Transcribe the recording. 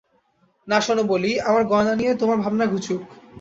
না, শোনো বলি– আমার গয়না নিয়ে তোমার ভাবনা ঘুচুক।